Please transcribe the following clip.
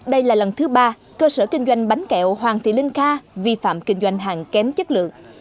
đây là lần thứ ba cơ sở kinh doanh bánh kẹo hoàng thị linh kha vi phạm kinh doanh hàng kém chất lượng